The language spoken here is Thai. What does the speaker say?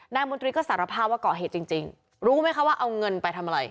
มนตรีก็สารภาพว่าก่อเหตุจริงรู้ไหมคะว่าเอาเงินไปทำอะไร